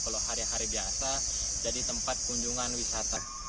kalau hari hari biasa jadi tempat kunjungan wisata